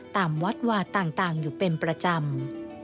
ตามวัดวาต่างอยู่เป็นประจำ